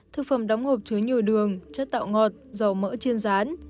thực phẩm đóng hộp chứa nhiều đường chất tạo ngọt dầu mỡ chiên rán